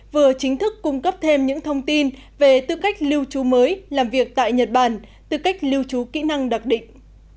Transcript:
vừa chính thức cung cấp thêm những thông tin về tư cách lưu trú mới làm việc tại nhật bản tư cách lưu trú kỹ năng đặc định